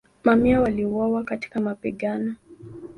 Mamia waliuawa katika mapigano.